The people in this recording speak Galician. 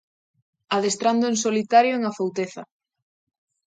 Adestrando en solitario en Afouteza.